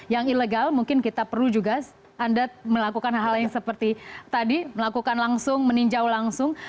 yang ilegal mungkin kita perlu juga anda melakukan hal hal yang seperti tadi melakukan langsung meninjau langsung